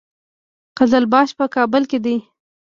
قزلباشان په کابل کې دي؟